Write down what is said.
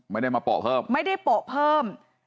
ไม่ได้มาโปะเพิ่มไม่ได้โปะเพิ่ม